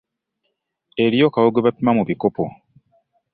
Eriyo kawo gwe bapima mu bikopo.